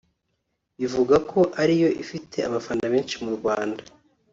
bivugwa ko ariyo ifite abafana benshi mu Rwanda